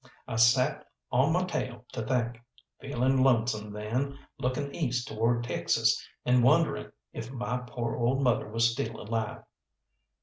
I sat on my tail to think, feeling lonesome then, looking east toward Texas and wondering if my poor old mother was still alive.